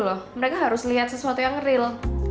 loh mereka harus lihat sesuatu yang real